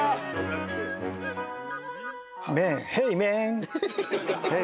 メンヘイメン。